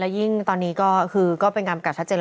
และยิ่งตอนนี้ก็คือก็เป็นการบังกัดชัดเจน